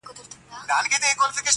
ما لیدې د کړاکړ په تورو غرو کي،